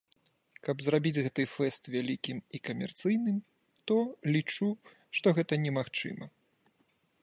Каб зрабіць гэты фэст вялікім і камерцыйным, то лічу, што гэта немагчыма.